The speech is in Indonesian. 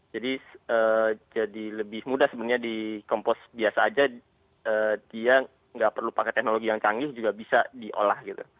jadi jadi lebih mudah sebenarnya di kompos biasa aja dia nggak perlu pakai teknologi yang canggih juga bisa diolah gitu